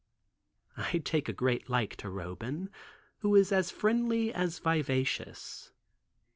I take a great like to Roban, who is as friendly as vivacious.